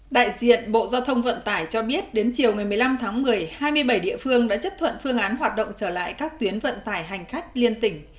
đại diện bộ giao thông vận tải cho biết đến chiều một mươi năm tháng một mươi hai mươi bảy địa phương đã chấp thuận phương án hoạt động trở lại các tuyến vận tải hành khách liên tỉnh